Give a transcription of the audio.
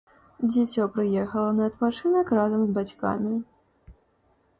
Дзіцё прыехала на адпачынак разам з бацькамі.